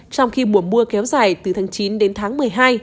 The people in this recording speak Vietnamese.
trong khi mùa mưa kéo dài từ tháng chín đến tháng một mươi hai